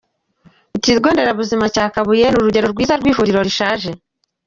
Ikigo nderabuzima cya Kabuye ni urugero rwiza rw’ivuriro rishaje